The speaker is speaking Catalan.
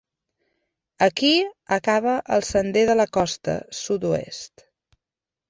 Aquí acaba el Sender de la Costa Sud-oest.